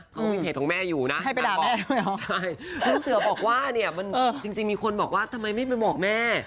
เขามีเพจของแม่อยู่นะใช่พี่เสือบอกว่าเนี่ยมันจริงมีคนบอกว่าทำไมไม่ไปบอกแม่